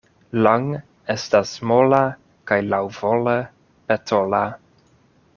Lang' estas mola kaj laŭvole petola.